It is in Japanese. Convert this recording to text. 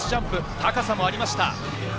高さもありました。